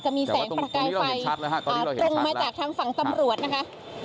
จะมีแสงประกายไฟตรงมาจากทางฝั่งตำรวจนะคะ